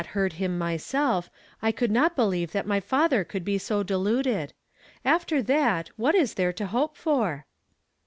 heard him myself, I coukl not believe that my fatlier could be so deluded. After that, what is there to hope for?"